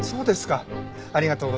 ありがとうございます。